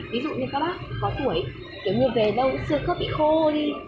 ví dụ như các bác có tuổi kiểu như về đâu xưa cứ bị khô đi